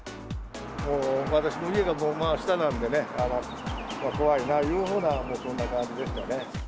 私の家が真下なんでね、怖いないうような、そんな感じでしたね。